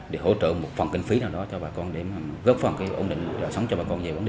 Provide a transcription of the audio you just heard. để hỗ trợ bà con